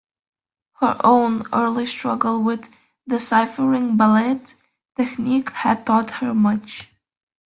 Her own early struggle with deciphering ballet technique had taught her much.